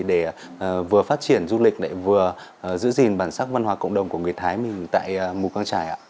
để vừa phát triển du lịch vừa giữ gìn bản sắc văn hóa cộng đồng của người thái tại mù cang trải ạ